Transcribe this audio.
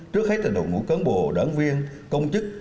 trước khai tình độ ngũ cán bộ đảng viên công chức